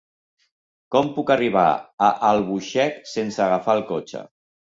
Com puc arribar a Albuixec sense agafar el cotxe?